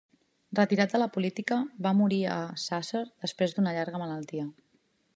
Retirat de la política, va morir a Sàsser després d'una llarga malaltia.